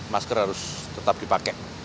masker harus tetap dipakai